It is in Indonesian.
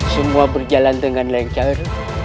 semua berjalan dengan lancar